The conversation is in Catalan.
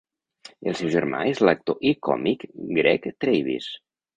El seu germà és l'actor i còmic Greg Travis.